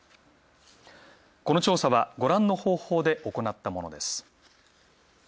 この調査は、ご覧の方法で行ったものです。